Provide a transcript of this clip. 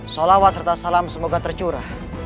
salawat serta salam semoga tercurah